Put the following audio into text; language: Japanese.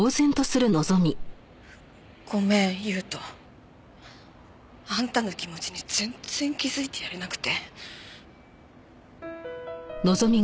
ごめん悠斗。あんたの気持ちに全然気づいてやれなくて。